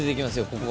ここ。